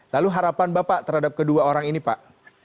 lalu harapan bapak terhadap kedua orang ini pak